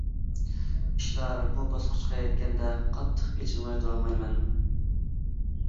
ئىشلار بۇ باسقۇچقا يەتكەندە قاتتىق ئېچىنماي تۇرالمايمەن.